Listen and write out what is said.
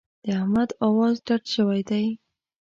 د احمد اواز ډډ شوی دی.